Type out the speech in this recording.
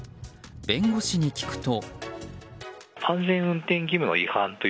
弁護士に聞くと。